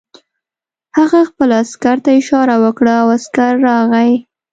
هغه خپل عسکر ته اشاره وکړه او عسکر راغی